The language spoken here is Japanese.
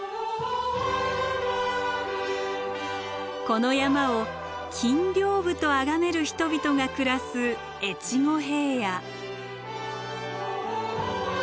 この山を金屏風と崇める人々が暮らす越後平野。